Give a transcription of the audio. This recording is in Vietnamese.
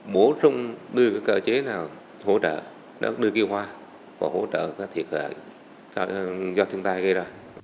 bố trung đưa cơ chế nào hỗ trợ đưa kia hoa và hỗ trợ các thiệt hại do thiên tai gây ra